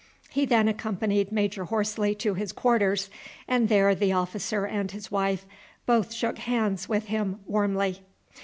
He then accompanied Major Horsley to his quarters, and there the officer and his wife both shook hands with him warmly.